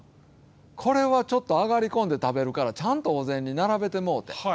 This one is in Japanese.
これは、ちょっと上がりこんで食べるからちゃんと、お膳に並べてもうて。